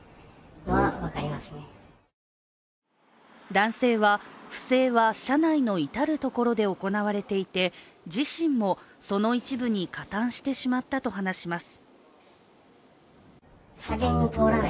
男性は不正は車内の至る所で行われていて自身もその一部に加担してしまったと話します。